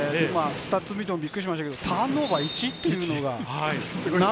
スタッツを見てびっくりしましたけど、ターンオーバー１っていうのが、すごいですね。